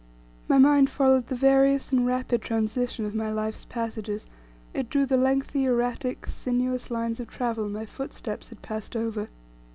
My mind followed the various and rapid transition of my life's passages; it drew the lengthy, erratic, sinuous lines of travel my footsteps had passed over.